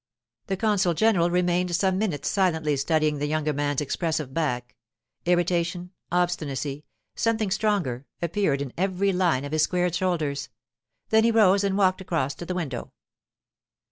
The consul general remained some minutes silently studying the younger man's expressive back—irritation, obstinacy, something stronger, appeared in every line of his squared shoulders—then he rose and walked across to the window.